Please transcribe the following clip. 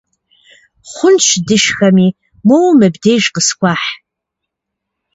Хъунщ дышхэми, моуэ мыбдеж къысхуэхь.